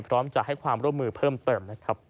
พร้อมจะให้ความร่วมมือเพิ่มเติมนะครับ